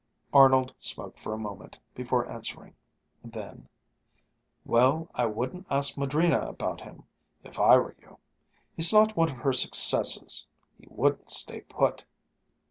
Arnold smoked for a moment before answering. Then, "Well, I wouldn't ask Madrina about him, if I were you. He's not one of her successes. He wouldn't stay put."